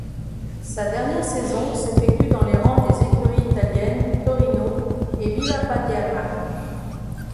Sa dernière saison s'effectue dans les rangs des écuries italiennes Torino et Villapadierna.